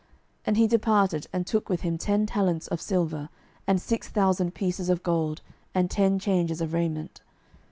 And he departed, and took with him ten talents of silver, and six thousand pieces of gold, and ten changes of raiment.